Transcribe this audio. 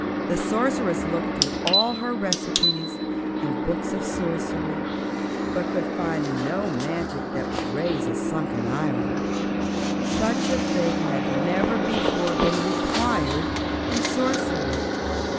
The Sorceress looked through all her recipes and books of sorcery, but could find no magic that would raise a sunken island. Such a thing had never before been required in sorcery.